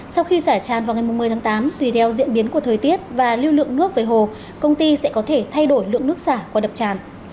sau khi xả tràn vào ngày một mươi tháng tám tùy theo diễn biến của thời tiết và lưu lượng nước về hồ công ty sẽ có thể thay đổi lượng nước xả qua đập tràn